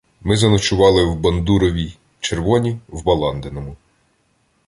Ми заночували в Бондуровій, — червоні — в Баландиному.